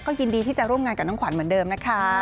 ยินดีที่จะร่วมงานกับน้องขวัญเหมือนเดิมนะคะ